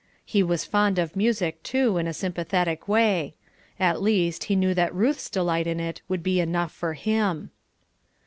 He was fond of music, too, in a sympathetic way; at least, he knew that Ruth's delight in it would be enough for him.